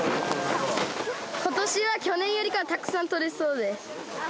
今年は去年よりかはたくさん取れそうです。